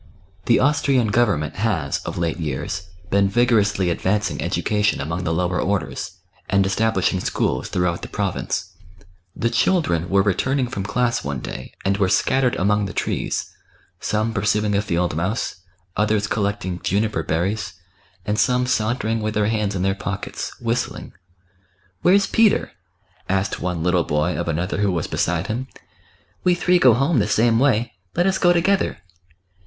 The Austrian Government has, of late years, been vigorously advancing education among the lower orders, and establishing schools throughout the province. The children were returning from class one day, and were scattered among the trees, some pursuing a field mouse, others collecting juniper berries, and some saun tering with their hands in their pockets, whistling. "Where's Peter?" asked one little boy of another who was beside him. " We three go home the same way, let us go together."